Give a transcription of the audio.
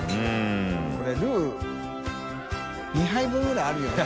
海ルー２杯分ぐらいあるよね。